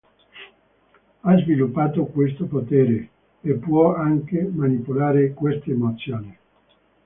Ha sviluppato questo potere e può anche manipolare queste emozioni.